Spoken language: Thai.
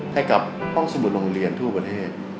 ให้กับห้องสมุดโรงเรียนทั่วประเทศ